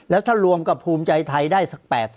แล้วถ้ารวมกับภูมิใจไทยได้สัก๘๐